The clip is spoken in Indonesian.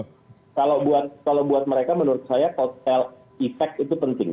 kalau buat mereka menurut saya total effect itu penting